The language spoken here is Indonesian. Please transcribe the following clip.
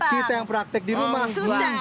kita yang praktek di rumah